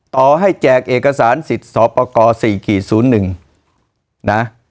ต่อให้แจกเอกสารสิทธิ์สอบประกอสี่กี่ศูนย์หนึ่งนะ